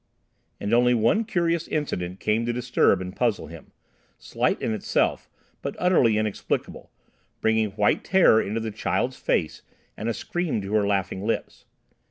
And only one curious incident came to disturb and puzzle him, slight in itself, but utterly inexplicable, bringing white terror into the child's face and a scream to her laughing lips.